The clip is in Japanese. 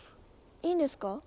いいんですか？